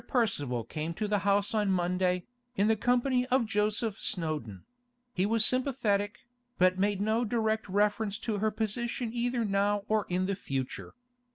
Percival came to the house on Monday, in the company of Joseph Snowdon; he was sympathetic, but made no direct reference to her position either now or in the future.